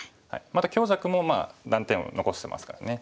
また強弱も断点を残してますからね。